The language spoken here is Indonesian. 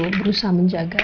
dia berusaha menjaga